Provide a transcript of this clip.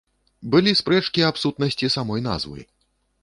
Былі спрэчкі аб сутнасці самой назвы.